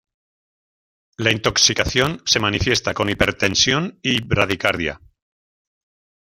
La intoxicación se manifiesta con hipertensión y bradicardia.